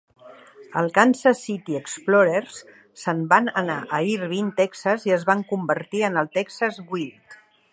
Els Kansas City Explorers se'n van anar a Irving (Texas) i es van convertir en els Texas Wild.